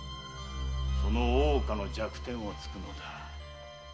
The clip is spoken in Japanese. その大岡の弱点をつくのだ。